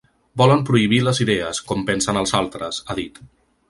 Volen prohibir les idees, com pensen els altres, ha dit.